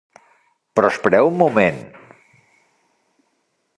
Però espereu un moment!